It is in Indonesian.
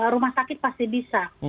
rumah sakit pasti bisa